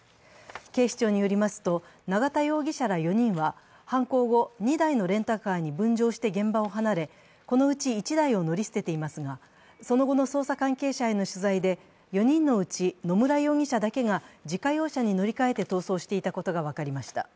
警視庁によりますと永田容疑者ら４人は犯行後、犯行後、２台のレンタカーに分乗して現場を離れ、このうち１台を乗り捨てていますがその後の捜査関係者への取材で４人のうち野村容疑者だけが自家用車に乗り換えて逃走していたことが分かりました。